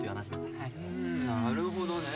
なるほどね。